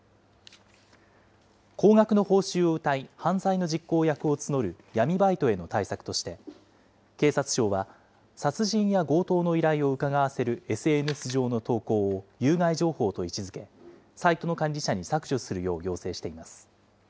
高額の報酬をうたい、犯罪の実行役を募る闇バイトへの対策として、警察庁は殺人や強盗の依頼をうかがわせるＳＮＳ上の投稿を有害情報と位置づけ、サイトの管理者に削除するよう要請しています。